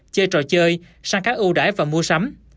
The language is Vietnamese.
chơi trò chơi sang các ưu đãi và mua sắm